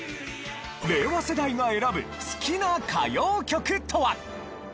令和世代が選ぶ好きな歌謡曲とは？